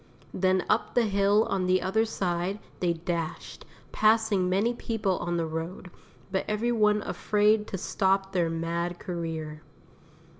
Then up the hill on the other side they dashed, passing many people on the road, but every one afraid to stop their mad career.